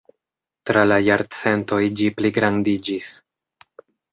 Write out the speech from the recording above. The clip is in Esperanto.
Tra la jarcentoj ĝi pligrandiĝis.